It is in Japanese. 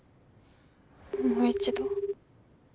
もう一度。